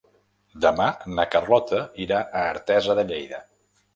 Demà na Carlota irà a Artesa de Lleida.